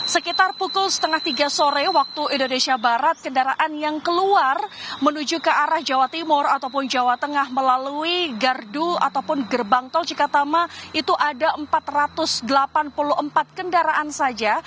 sekitar pukul setengah tiga sore waktu indonesia barat kendaraan yang keluar menuju ke arah jawa timur ataupun jawa tengah melalui gardu ataupun gerbang tol cikatama itu ada empat ratus delapan puluh empat kendaraan saja